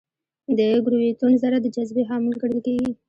د ګرویتون ذره د جاذبې حامل ګڼل کېږي.